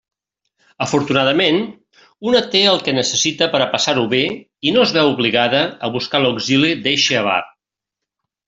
Afortunadament, una té el que necessita per a passar-ho bé i no es veu obligada a buscar l'auxili d'eixe avar.